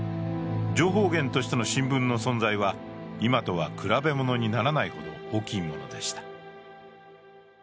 情報源としての新聞の存在は、今とは比べものにならないほど大きいのもでした。